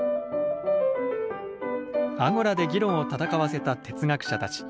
アゴラで議論を戦わせた哲学者たち。